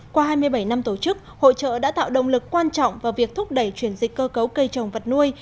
qua hai mươi bảy năm tổ chức hội trợ đã tạo động lực quan trọng vào việc thúc đẩy chuyển dịch cơ cấu cây trồng vật nuôi